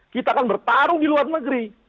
kita akan bertarung di luar negeri